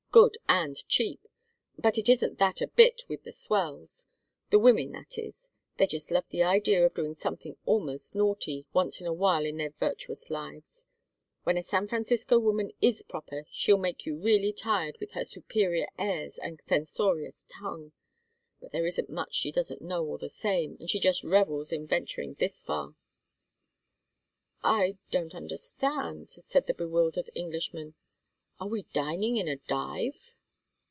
"Good and cheap! But it isn't that a bit with the swells the women, that is. They just love the idea of doing something almost naughty, once in a while in their virtuous lives when a San Francisco woman is proper she'd make you really tired with her superior airs and censorious tongue; but there isn't much she doesn't know, all the same, and she just revels in venturing this far." "I don't understand," said the bewildered Englishman. "Are we dining in a dive?"